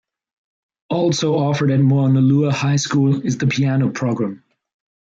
Also offered at Moanalua High School is the Piano program.